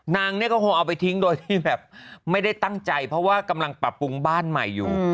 นางเนี่ยก็คงเอาไปทิ้งโดยที่แบบไม่ได้ตั้งใจเพราะว่ากำลังปรับปรุงบ้านใหม่อยู่